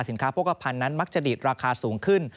สินค้าพวกอาพันธุ์นั้นมักจะดีดราคาสูงขึ้น